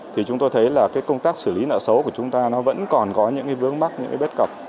thì chúng tôi thấy là công tác xử lý nợ xấu của chúng ta vẫn còn có những vướng mắt những bết cập